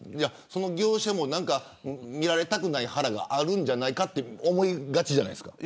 業者も見られたくない腹があるんじゃないかと思いがちじゃないですか。